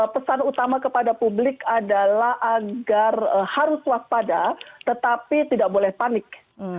pesan utama kepada publik adalah agar harus waspada tetapi tidak boleh panik